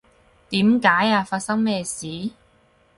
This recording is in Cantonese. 點解呀？發生咩事？